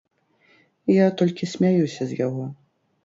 Я толькі смяюся з яго.